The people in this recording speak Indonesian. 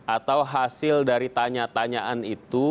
atau hasil dari tanya tanyaan itu